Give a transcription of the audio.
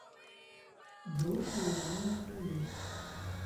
Грошы ляжалі ў траве.